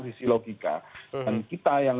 sisi logika dan kita yang